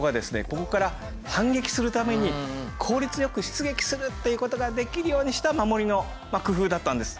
ここから反撃するために効率よく出撃するっていうことができるようにした守りの工夫だったんです。